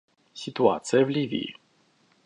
Ситуация в Ливии.